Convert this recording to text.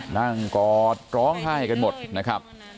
กอดร้องไห้กันหมดนะครับ